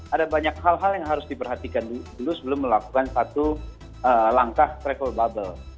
ada banyak hal hal yang harus diperhatikan dulu sebelum melakukan satu langkah travel bubble